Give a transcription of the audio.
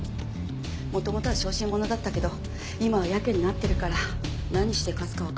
元々は小心者だったけど今はヤケになってるから何しでかすかわからないわ。